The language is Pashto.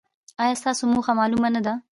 ایا ستاسو موخه معلومه نه ده؟